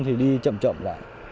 thì đi chậm chậm lại